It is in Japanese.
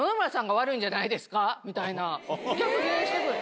みたいな逆ギレしてくる。